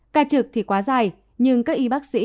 ca trực thì quá dài nhưng các y bác sĩ